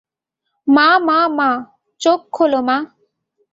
মা মা, মা, চোখ খোল, মা।